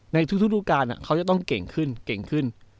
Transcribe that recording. ในทุกรูปการณ์เขาจะต้องเก่งขึ้นเก่งขึ้น